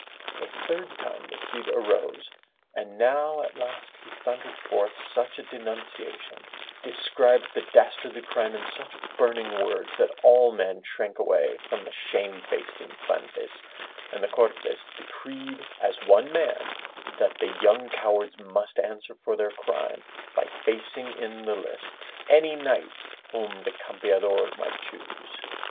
A third time the Cid arose and now at last he thundered forth such a denunciation, described the dastardly crime in such burning words that all men shrank away from the shame faced Infantes and the Cortes decreed as one man that the young cowards must answer for their crime by facing in the lists, any knights whom the Campeador might choose.